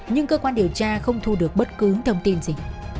nhưng cơ quan điều tra không thu được bất cứ thông tin gì